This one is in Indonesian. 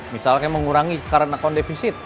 misalkan mengurangi karantina akun defisit